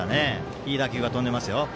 いい打球が飛んでいますよ。